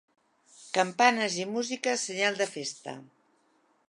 Campanes i música, senyal de festa.